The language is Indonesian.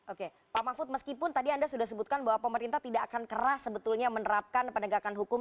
oke pak mahfud meskipun tadi anda sudah sebutkan bahwa pemerintah tidak akan keras sebetulnya menerapkan penegakan hukum